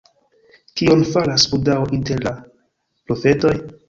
Kion faras Budao inter la profetoj?